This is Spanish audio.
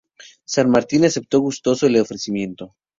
San Martín aceptó gustoso el ofrecimiento.